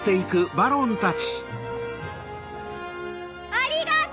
ありがと！